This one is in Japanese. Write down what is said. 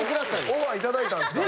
オファーいただいたんですから。